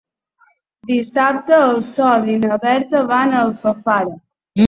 Dissabte en Sol i na Berta van a Alfafara.